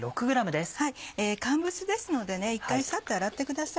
乾物ですので一回サッと洗ってください。